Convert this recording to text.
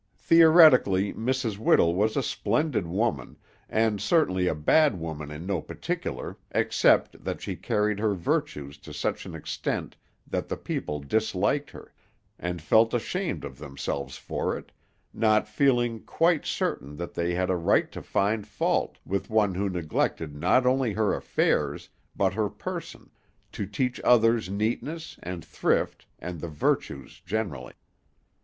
Theoretically Mrs. Whittle was a splendid woman, and certainly a bad woman in no particular except that she carried her virtues to such an extent that the people disliked her, and felt ashamed of themselves for it, not feeling quite certain that they had a right to find fault with one who neglected not only her affairs, but her person, to teach others neatness, and thrift, and the virtues generally.